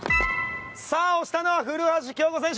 さあ押したのは古橋亨梧選手。